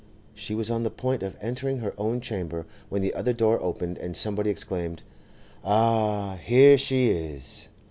She was on the point of entering her own chamber, when the other door opened, and somebody exclaimed, 'Ah, here she is!